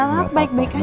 anak baik baik aja kan